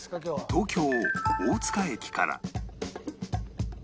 東京大塚駅から